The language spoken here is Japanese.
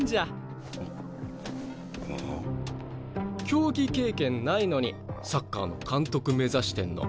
競技経験ないのにサッカーの監督目指してんの。